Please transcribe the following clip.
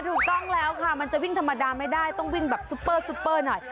ถูกต้องแล้วค่ะมันจะวิ่งธรรมดาไม่ได้ต้องวิ่งแบบซุปเปอร์ซุปเปอร์หน่อย